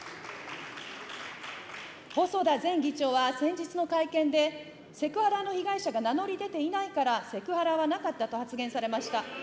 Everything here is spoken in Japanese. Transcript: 細田前議長は先日の会見で、セクハラの被害者が名乗り出ていないからセクハラはなかったと発言されました。